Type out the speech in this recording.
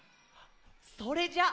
それじゃあ。